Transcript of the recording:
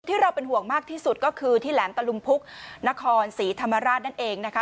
เราเป็นห่วงมากที่สุดก็คือที่แหลมตะลุมพุกนครศรีธรรมราชนั่นเองนะคะ